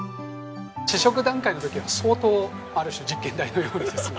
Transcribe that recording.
試食段階の時は相当ある種実験台のようにですね